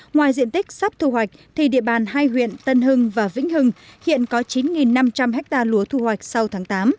ngoài diện tích sắp thu hoạch thì địa bàn hai huyện tân hưng và vĩnh hưng hiện có chín năm trăm linh ha lúa thu hoạch sau tháng tám